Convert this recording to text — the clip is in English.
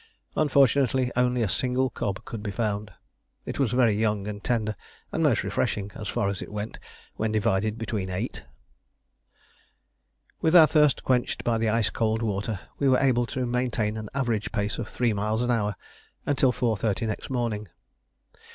Unfortunately only a single cob could be found. It was very young and tender, and most refreshing, as far as it went when divided between eight. With our thirst quenched by the ice cold water, we were able to maintain an average pace of three miles an hour until 4.30 next morning.